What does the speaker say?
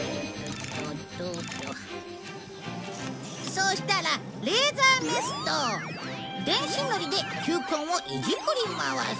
そうしたらレーザーメスと電子のりで球根をいじくり回す。